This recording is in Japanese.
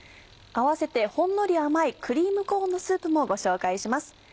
併せてほんのり甘いクリームコーンのスープもご紹介します。